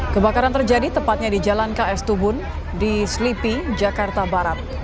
kebakaran terjadi tepatnya di jalan ks tubun di slipi jakarta barat